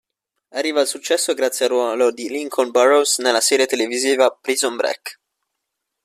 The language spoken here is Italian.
Arriva al successo grazie al ruolo di Lincoln Burrows nella serie televisiva "Prison Break".